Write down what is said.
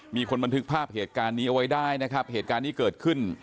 มีคนบันทึกภาพเหตุการณ์นี้เอาไว้ได้นะครับเหตุการณ์นี้เกิดขึ้น